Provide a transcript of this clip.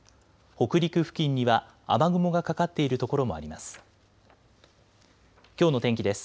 北陸付近には雨雲がかかっている所もあります。